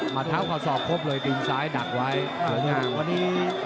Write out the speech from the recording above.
มาเท้าเขาสอบครบเลยตีนซ้ายดักไว้หันล่าง